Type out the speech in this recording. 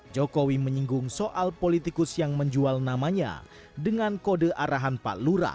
jokowi menyinggung soal politikus yang menjual namanya dengan kode arahan pak lura